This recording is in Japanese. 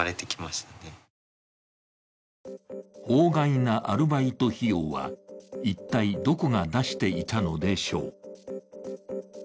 法外なアルバイト費用は一体どこが出していたのでしょう？